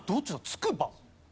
つくば？